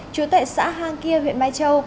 chủ tại xã hang kia huyện mai châu